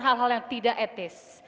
hal hal yang tidak etis